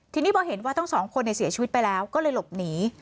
ทีนี้พอเห็นว่าทั้งสองคนเสียชีวิตไปแล้วก็เลยหลบหนี